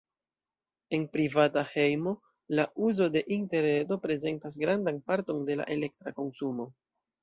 En privata hejmo, la uzo de interreto prezentas grandan parton de la elektra konsumo.